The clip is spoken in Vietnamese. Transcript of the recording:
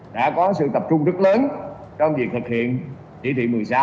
đã có sự tập trung rất lớn trong việc thực hiện chỉ thị một mươi sáu